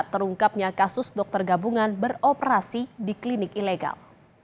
terungkapnya kasus dokter gabungan beroperasi di klinik ilegal